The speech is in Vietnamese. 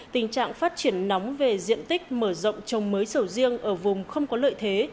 tình trạng phát triển nóng về diện tích mở rộng trồng mới sầu riêng ở vùng không có lợi thế